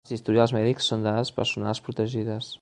Els historials mèdics són dades personals protegides.